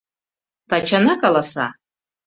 Тачана каласа: